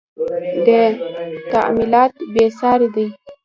• دا تعاملات بې ساري دي.